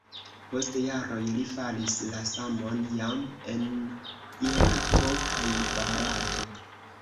Post jaroj li faris la samon jam en Irako kaj Barato.